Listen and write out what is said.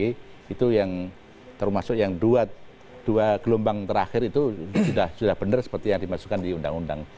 itu yang termasuk yang dua gelombang terakhir itu sudah benar seperti yang dimasukkan di undang undang